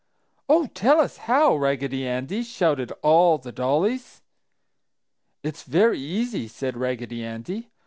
"Oh, tell us how, Raggedy Andy!" shouted all the dollies. "It's very easy!" said Raggedy Andy.